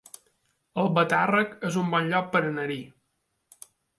Albatàrrec es un bon lloc per anar-hi